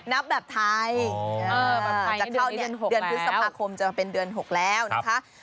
นับแบบไทยเดือนพฤษภาคมจะเป็นเดือนหกแล้วนะคะ